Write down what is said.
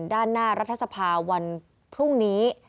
ด้านหน้ารัฐสภาวันพรุ่งนี้